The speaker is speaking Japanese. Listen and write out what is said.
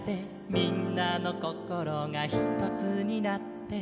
「みんなのこころがひとつになって」